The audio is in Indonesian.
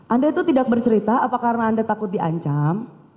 anda itu tidak bercerita apa karena anda takut diancam